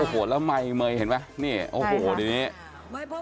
โอ้โหแล้วไมเห็นไหมโอ้โหดีนี้